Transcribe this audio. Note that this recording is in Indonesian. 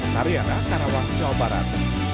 nariana karawang jawa barat